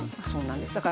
そうなんです。